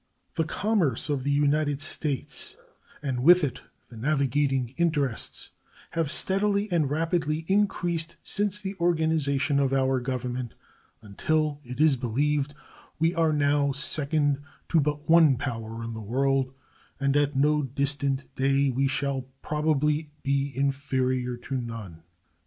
The commerce of the United States, and with it the navigating interests, have steadily and rapidly increased since the organization of our Government, until, it is believed, we are now second to but one power in the world, and at no distant day we shall probably be inferior to none.